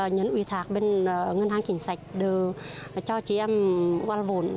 nhấn ủy thạc bên ngân hàng chỉnh sạch cho chị em quan vốn